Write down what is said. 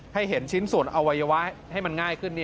เห็นชิ้นส่วนอวัยวะให้มันง่ายขึ้น